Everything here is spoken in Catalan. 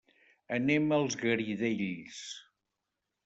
Anem als Garidells.